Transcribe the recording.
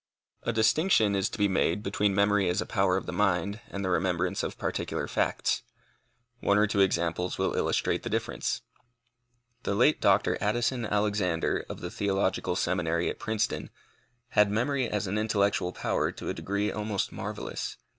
A distinction is to be made between memory as a power of the mind and the remembrance of particular facts. One or two examples will illustrate this difference. The late Dr. Addison Alexander, of the Theological Seminary at Princeton, had memory as an intellectual power to a degree almost marvellous.